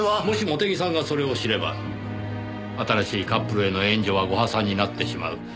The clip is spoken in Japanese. もし茂手木さんがそれを知れば新しいカップルへの援助はご破算になってしまう。